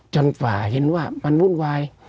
ฝ่าเห็นว่ามันวุ่นวาย